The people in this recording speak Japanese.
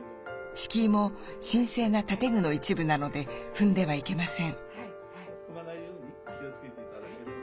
敷居も神聖な建具の一部なので踏んではいけません。